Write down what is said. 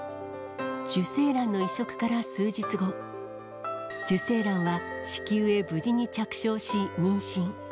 受精卵の移植から数日後、受精卵は子宮へ無事に着床し、妊娠。